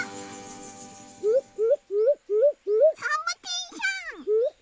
サボテンさん。